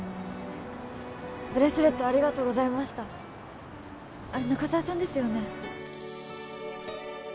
ブレスレットありがとうございましたあれ中沢さんですよね？